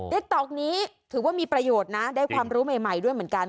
ติ๊กต๊อกนี้ถือว่ามีประโยชน์นะได้ความรู้ใหม่ด้วยเหมือนกัน